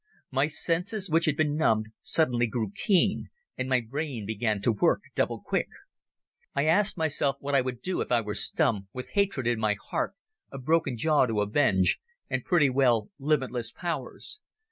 My senses, which had been numbed, suddenly grew keen, and my brain began to work double quick. I asked myself what I would do if I were Stumm, with hatred in my heart, a broken jaw to avenge, and pretty well limitless powers.